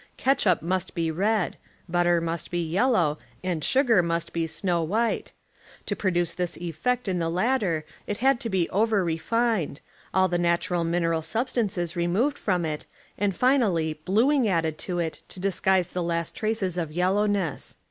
. Ketchup must be red, butter must be yellow and „„ J sugar must be snow white ; to produce this effect oi loods , .,1.1 ,.1 11 .1 m the latter it had to be over renned, all the natural mineral substances removed from it, and finally "bluing" added to it to disguise the last traces of yellowness.